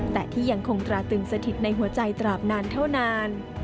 แต่ที่ยังคงตราตึงสถิตในหัวใจตราบนานเท่านาน